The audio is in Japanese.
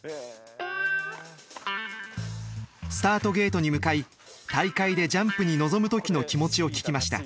スタートゲートに向かい大会でジャンプに臨む時の気持ちを聞きました。